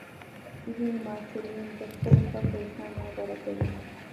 ځینې محصلین د خپلې خوښې څانګه غوره کوي.